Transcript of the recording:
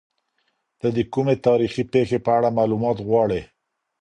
ته د کومې تاريخي پېښې په اړه معلومات غواړې؟